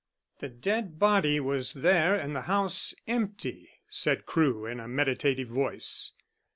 "The dead body was there and the house empty," said Crewe, in a meditative voice.